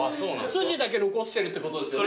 筋だけ残してるってことですよね。